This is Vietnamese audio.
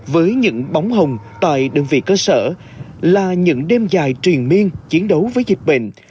với những bóng hồng tại đơn vị cơ sở là những đêm dài truyền miên chiến đấu với dịch bệnh